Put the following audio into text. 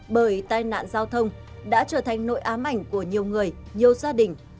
bởi tai nạn giao thông đã trở thành nội ám ảnh của nhiều người nhiều gia đình